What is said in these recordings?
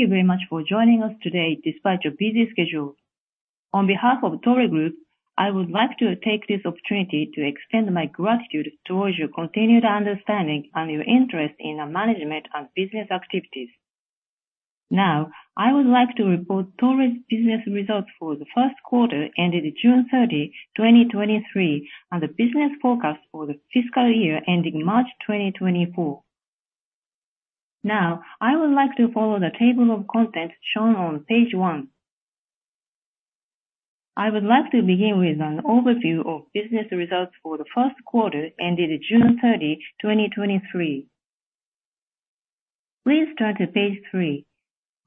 Thank you very much for joining us today, despite your busy schedule. On behalf of Toray Group, I would like to take this opportunity to extend my gratitude towards your continued understanding and your interest in our management and business activities. Now, I would like to report Toray's business results for the first quarter, ending June 30, 2023, and the business forecast for the fiscal year ending March 2024. Now, I would like to follow the table of contents shown on page one. I would like to begin with an overview of business results for the first quarter, ending June 30, 2023. Please turn to page three.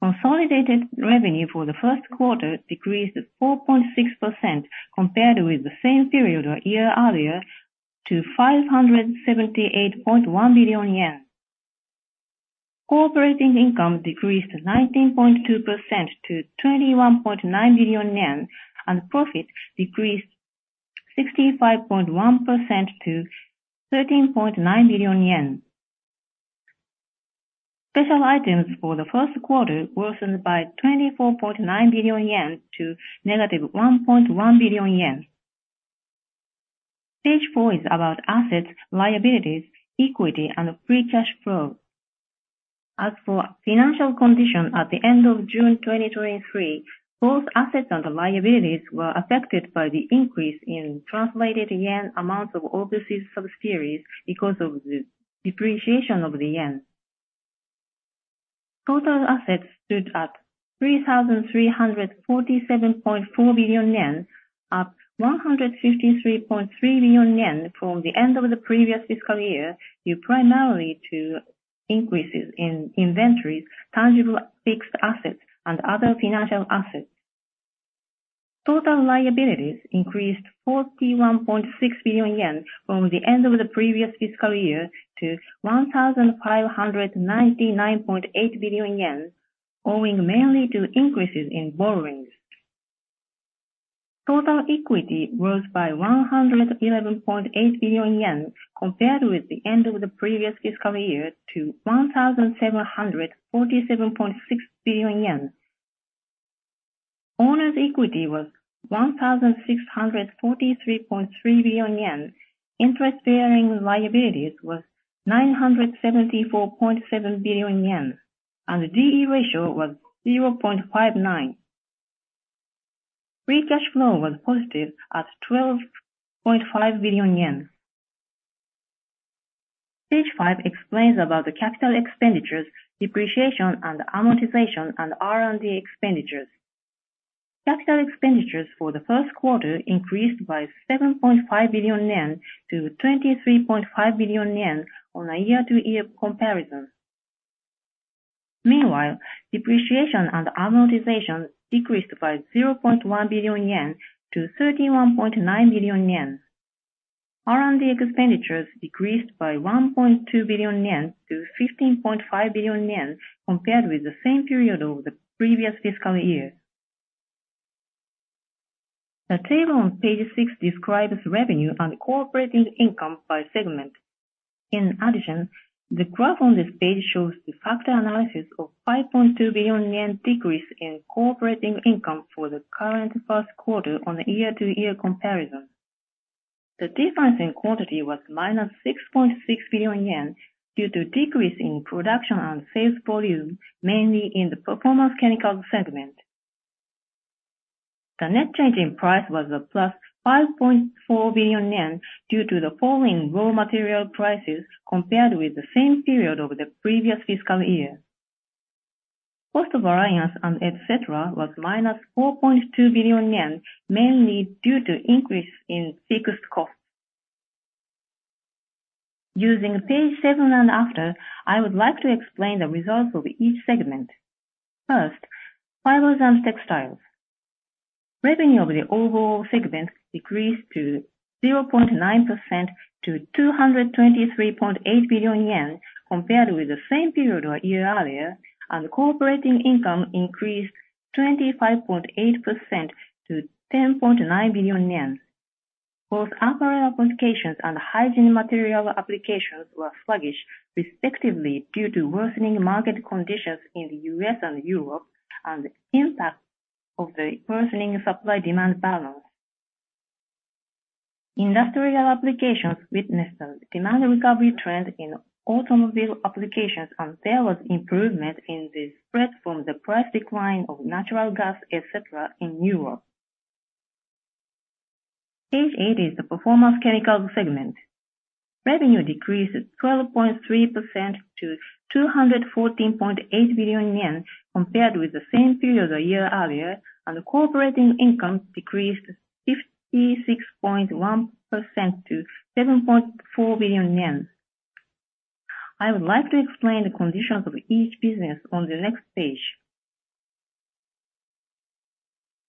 Consolidated revenue for the first quarter decreased 4.6% compared with the same period a year earlier, to 578.1 billion yen. Operating income decreased 19.2% to 21.9 billion yen, and profit decreased 65.1% to 13.9 billion yen. Special items for the first quarter worsened by 24.9 billion yen to negative 1.1 billion yen. Page four is about assets, liabilities, equity, and free cash flow. As for financial condition at the end of June 2023, both assets and liabilities were affected by the increase in translated yen amounts of overseas subsidiaries because of the depreciation of the yen. Total assets stood at 3,347.4 billion yen, up 153.3 billion yen from the end of the previous fiscal year, due primarily to increases in inventories, tangible fixed assets, and other financial assets. Total liabilities increased 41.6 billion yen from the end of the previous fiscal year to 1,599.8 billion yen, owing mainly to increases in borrowings. Total equity rose by 111.8 billion yen compared with the end of the previous fiscal year, to 1,747.6 billion yen. owners' equity was 1,643.3 billion yen. Interest-bearing liabilities was 974.7 billion yen, and the D/E ratio was 0.59. Free cash flow was positive at 12.5 billion yen. Page five explains about the capital expenditures, depreciation and amortization, and R&D expenditures. Capital expenditures for the first quarter increased by 7.5 billion yen to 23.5 billion yen on a year-to-year comparison. Meanwhile, depreciation and amortization decreased by JPY 0.1 billion to JPY 31.9 billion. R&D expenditures decreased by 1.2 billion yen to 15.5 billion yen, compared with the same period of the previous fiscal year. The table on page six describes revenue and core operating income by segment. The graph on this page shows the factor analysis of 5.2 billion yen decrease in core operating income for the current first quarter on a year-to-year comparison. The difference in quantity was -6.6 billion yen, due to decrease in production and sales volume, mainly in the Performance Chemicals segment. The net change in price was a +5.4 billion yen, due to the falling raw material prices compared with the same period of the previous fiscal year. Cost variance and et cetera, was -4.2 billion yen, mainly due to increase in fixed costs. Using page seven and after, I would like to explain the results of each segment. First, Fibers & Textiles. Revenue of the overall segment decreased 0.9% to 223.8 billion yen, compared with the same period a year earlier, and core operating income increased 25.8% to 10.9 billion yen. Both apparel applications and hygiene material applications were sluggish, respectively, due to worsening market conditions in the U.S. and Europe, and the impact of the worsening supply-demand balance. Industrial applications witnessed a demand recovery trend in automobile applications, and there was improvement in the spread from the price decline of natural gas, et cetera, in Europe. Page eight is the Performance Chemicals segment. Revenue decreased 12.3% to 214.8 billion yen, compared with the same period a year earlier. The core operating income decreased 56.1% to 7.4 billion yen. I would like to explain the conditions of each business on the next page.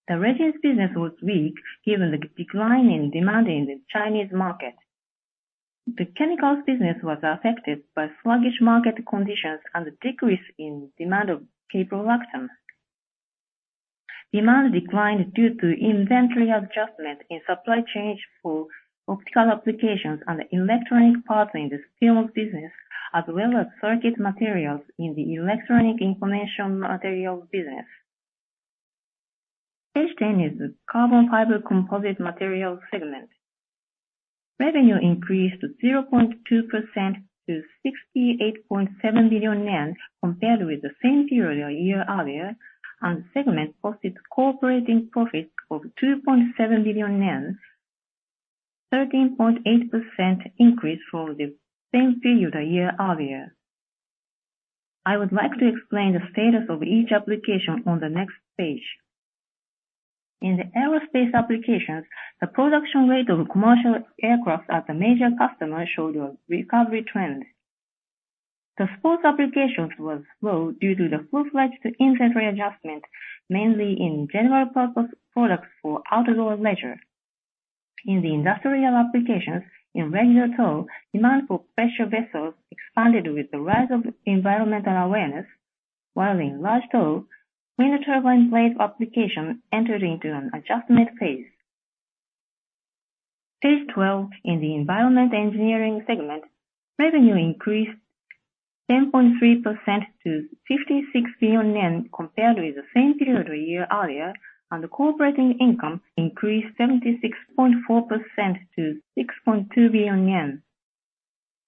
The resins business was weak, given the decline in demand in the Chinese market. The chemicals business was affected by sluggish market conditions and the decrease in demand of caprolactam. Demand declined due to inventory adjustment in supply chain for optical applications and electronic parts in the films business, as well as circuit materials in the electronic information materials business. Page 10 is the Carbon Fiber Composite Materials segment. Revenue increased to 0.2% to 68.7 billion yen compared with the same period a year earlier, and the segment posted core operating profits of 2.7 billion yen, 13.8% increase for the same period a year earlier. I would like to explain the status of each application on the next page. In the aerospace applications, the production rate of commercial aircraft at the major customer showed a recovery trend. The sports applications was low due to the full-fledged inventory adjustment, mainly in general purpose products for outdoor leisure. In the industrial applications, in regular tow, demand for pressure vessels expanded with the rise of environmental awareness, while in large tow, wind turbine blade application entered into an adjustment phase. Page 12, in the Environment & Engineering segment, revenue increased 10.3% to 56 billion yen compared with the same period a year earlier, and the core operating income increased 76.4% to 6.2 billion yen.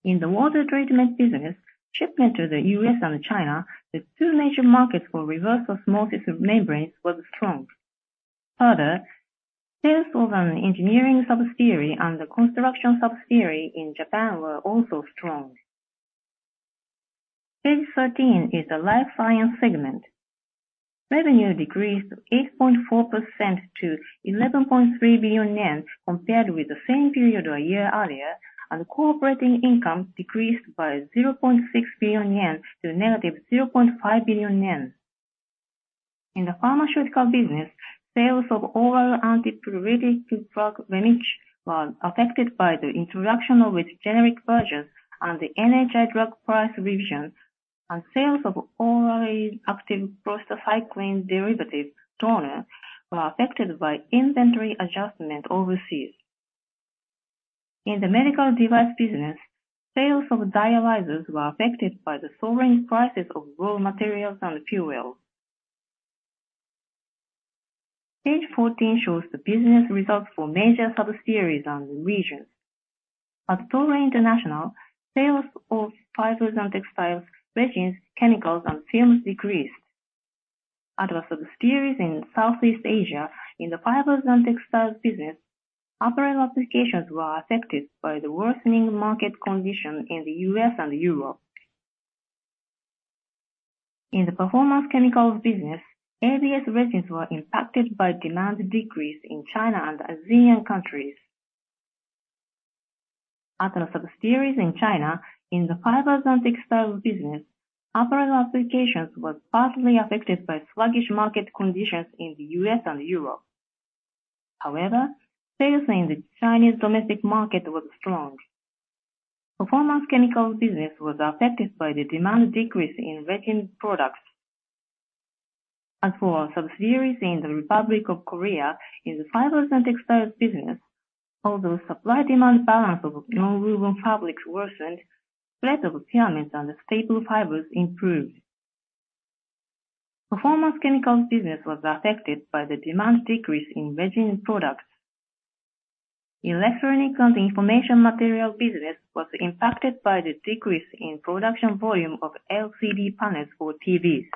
In the water treatment business, shipment to the U.S. and China, the two major markets for reverse osmosis membranes, was strong. Further, sales of an engineering subsidiary and the construction subsidiary in Japan were also strong. Page 13 is the Life Science segment. Revenue decreased 8.4% to 11.3 billion yen compared with the same period a year earlier, and the core operating income decreased by 0.6 billion yen to negative 0.5 billion yen. In the pharmaceutical business, sales of oral antipruritic drug, REMITCH®, were affected by the introduction of its generic version and the NHI drug price revision, and sales of orally active prostacyclin derivative, Dorner, were affected by inventory adjustment overseas. In the medical device business, sales of dialyzers were affected by the soaring prices of raw materials and fuels. Page 14 shows the business results for major subsidiaries and regions. At Toray International, sales of Fibers & Textiles, resins, chemicals, and films decreased. At our subsidiaries in Southeast Asia, in the Fibers & Textiles business, apparel applications were affected by the worsening market condition in the U.S. and Europe. In the Performance Chemicals business, ABS resins were impacted by demand decrease in China and ASEAN countries. At our subsidiaries in China, in the Fibers & Textiles business, apparel applications was partly affected by sluggish market conditions in the U.S. and Europe. However, sales in the Chinese domestic market was strong. Performance Chemicals business was affected by the demand decrease in resin products. As for our subsidiaries in the Republic of Korea, in the Fibers & Textiles business, although supply/demand balance of nonwoven fabrics worsened, rate of appearance and the staple fibers improved. Performance Chemicals business was affected by the demand decrease in resin products. Electronic Information Materials business was impacted by the decrease in production volume of LCD panels for TVs.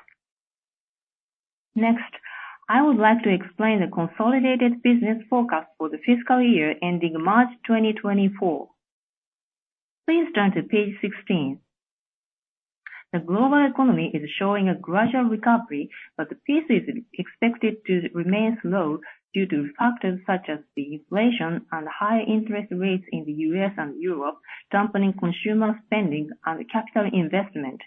Next, I would like to explain the consolidated business forecast for the fiscal year ending March 2024. Please turn to page 16. The global economy is showing a gradual recovery, but the pace is expected to remain slow due to factors such as the inflation and higher interest rates in the U.S. and Europe, dampening consumer spending and capital investment.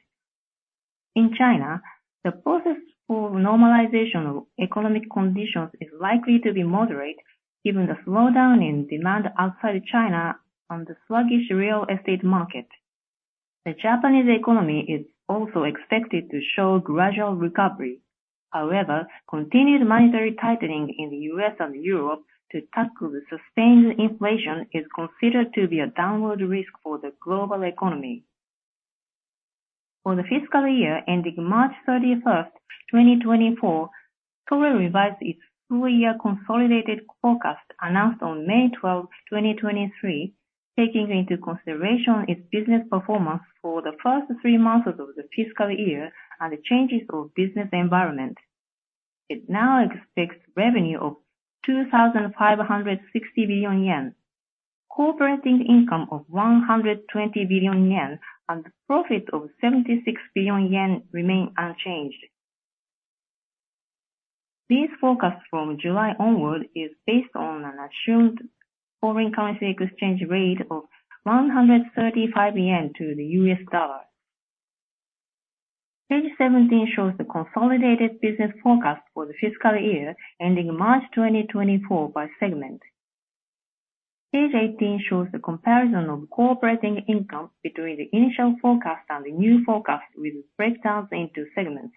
In China, the process for normalization of economic conditions is likely to be moderate, given the slowdown in demand outside China and the sluggish real estate market. The Japanese economy is also expected to show gradual recovery. However, continued monetary tightening in the U.S. and Europe to tackle the sustained inflation is considered to be a downward risk for the global economy. For the fiscal year ending March 31st, 2024, Toray revised its full year consolidated forecast announced on May 12th, 2023, taking into consideration its business performance for the first three months of the fiscal year and the changes of business environment. It now expects revenue of 2,560 billion yen, core operating income of 120 billion yen, and profit of 76 billion yen remain unchanged. These forecasts from July onward is based on an assumed foreign currency exchange rate of 135 yen to the U.S. dollar. Page 17 shows the consolidated business forecast for the fiscal year ending March 2024 by segment. Page 18 shows the comparison of core operating income between the initial forecast and the new forecast, with breakdowns into segments.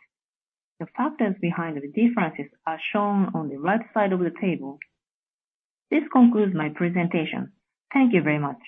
The factors behind the differences are shown on the right side of the table. This concludes my presentation. Thank you very much.